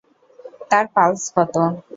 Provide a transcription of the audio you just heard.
তার পালস কতো?